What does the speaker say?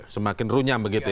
semakin runyam begitu ya